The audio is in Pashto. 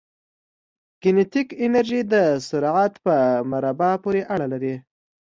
کینیتیک انرژي د سرعت په مربع پورې اړه لري.